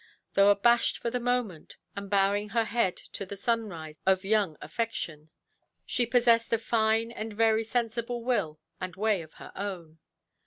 Though abashed for the moment, and bowing her head to the sunrise of young affection, she possessed a fine and very sensible will and way of her own.